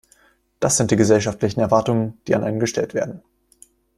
Das sind die gesellschaftlichen Erwartungen, die an einen gestellt werden.